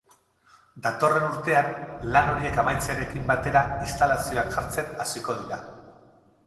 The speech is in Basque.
Datorren urtean, lan horiek amaitzearekin batera, instalazioak jartzen hasiko dira.